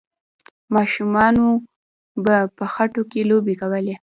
ماشومانو به په خټو کې لوبې کولې.